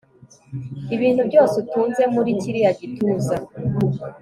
Ibintu byose utunze muri kiriya gituza